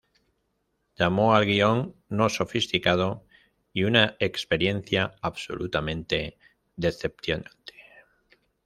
Llamó al guion "no sofisticado" y "una experiencia absolutamente decepcionante".